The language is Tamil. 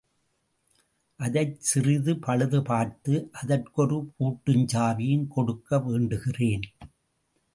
அதைச் சிறிது பழுது பார்த்து அதற்கொரு பூட்டுஞ்சாவியும் கொடுக்க வேண்டுகிறேன்.